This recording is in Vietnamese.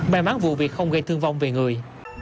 may mắn vụ việc không gây thương vong về người